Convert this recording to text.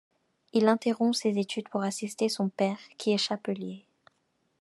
Il interrompt ses études pour assister son père qui est chapelier.